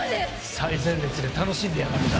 最前列で楽しんでやがるんだ！